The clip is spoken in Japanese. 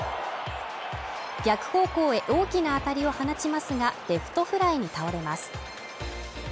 逆方向へ大きな当たりを放ちますが、レフトフライに倒れます。